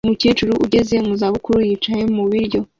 Umukecuru ugeze mu za bukuru yicaye mu biryo